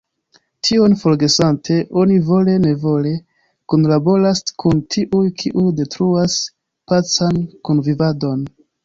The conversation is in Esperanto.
Tion forgesante, oni vole-nevole kunlaboras kun tiuj, kiuj detruas pacan kunvivadon.